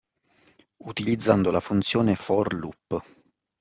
Utilizzando la funzione For Loop